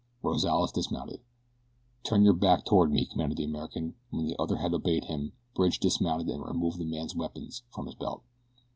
Rozales dismounted. "Turn your back toward me," commanded the American, and when the other had obeyed him, Bridge dismounted and removed the man's weapons from his belt.